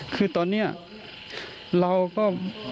คือตอนนี้เราก็